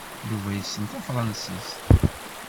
Yuba issen tafṛansist.